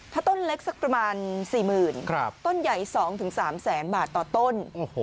ถ้าต้นเล็กสักประมาณ๔๐๐๐ต้นใหญ่๒๓แสนบาทต่อต้น